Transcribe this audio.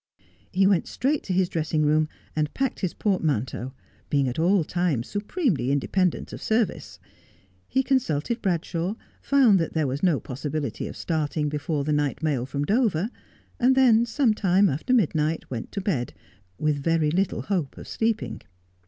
He went straight to his dressing room, and packed his portman teau, being at all times supremely independent of service. He consulted Bradshaw, found that there was no possibility of starting before the night mail from Dover, and then, some time after midnight, went to bed, with very little hope of sleeping.